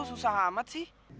susah amat sih